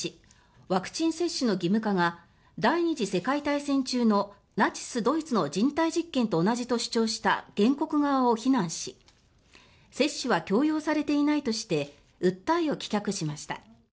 ワクチン接種の義務化が第２次世界大戦中のナチス・ドイツの人体実験と同じと主張した原告側を非難し接種は強要されていないとして訴えを棄却しました。